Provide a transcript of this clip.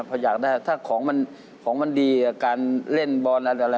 พออยากได้ถ้าของมันของมันดีกับการเล่นบอลอะไร